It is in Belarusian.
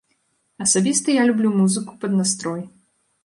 Асабіста я люблю музыку пад настрой.